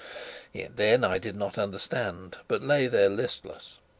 Yet then I did not understand, but lay there listless.